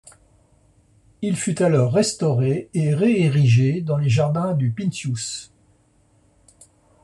Il fut alors restauré et réérigé dans les jardins du Pincius.